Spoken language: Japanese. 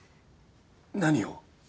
何を？